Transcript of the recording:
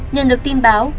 nhận được tin báo